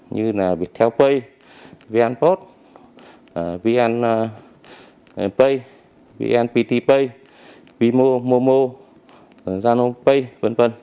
như là viettel pay vnpost vnpay vnpt pay vmomo zanon pay v v